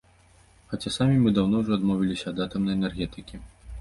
Хаця самі мы даўно ўжо адмовіліся ад атамнай энергетыкі.